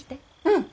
うん！